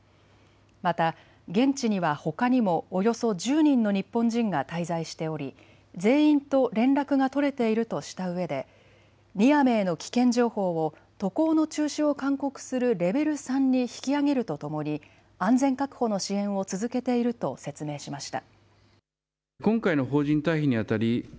また、現地にはほかにもおよそ１０人の日本人が滞在しており全員と連絡が取れているとしたうえでニアメーの危険情報を渡航の中止を勧告するレベル３に引き上げるとともに安全確保の支援を続けていると説明しました。